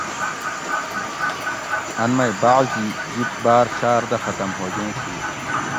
ان مئی بعضی جِب باۤر شاۤردہ ختم ہوگیں تھی